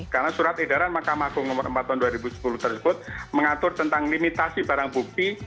karena surat edaran mahkamah agung nomor empat tahun dua ribu sepuluh tersebut mengatur tentang limitasi barang bukti